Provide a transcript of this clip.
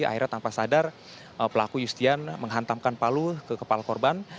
akhirnya tanpa sadar pelaku yustian menghantamkan palu ke kepala korban